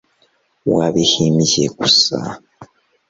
wabihimbye gusa